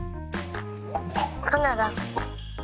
カナダ。